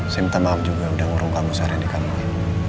saya minta maaf juga udah ngurung kamu seharian di kampung ini